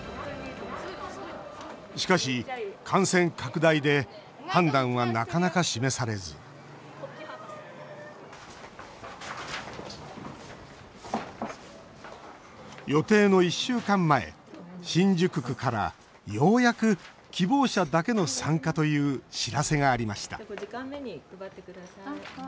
しかし、感染拡大で判断はなかなか示されず予定の１週間前新宿区からようやく希望者だけの参加という知らせがありました。